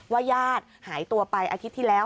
ญาติหายตัวไปอาทิตย์ที่แล้ว